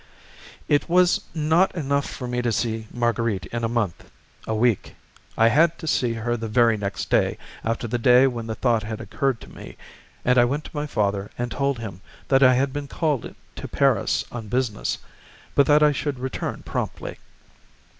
It was not enough for me to see Marguerite in a month, a week. I had to see her the very next day after the day when the thought had occurred to me; and I went to my father and told him that I had been called to Paris on business, but that I should return promptly.